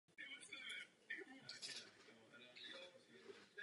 Vrcholem programu se jako obvykle stal sobotní průvod Prahou.